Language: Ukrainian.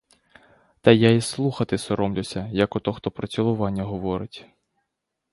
Та я й слухати соромлюся, як ото хто про цілування говорить!